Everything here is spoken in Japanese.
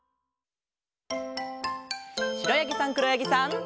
しろやぎさんくろやぎさん。